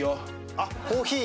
あっコーヒー。